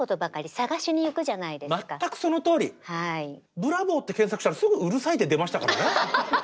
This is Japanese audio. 「ブラボー」って検索したらすぐ「うるさい」って出ましたからね。